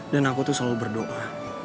dan aku tuh selalu berdoa